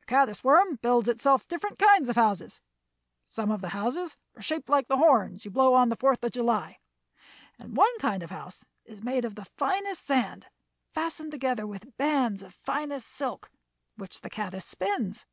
"The caddis worm builds itself different kinds of houses. Some of the houses are shaped like the horns you blow on the Fourth of July, and one kind of house is made of the finest sand, fastened together with bands of finest silk, which the caddis spins.